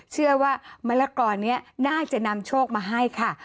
เชื่อว่ามะละกอนี้น่าจะนำโชคมาให้ค่ะ